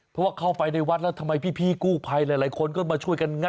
เพราะว่าเข้าไปในวัดแล้วทำไมพี่กู้ภัยหลายคนก็มาช่วยกันงัด